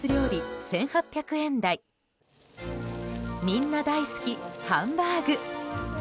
みんな大好きハンバーグ。